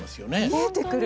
見えてくる。